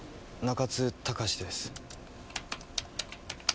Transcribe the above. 中津隆志です。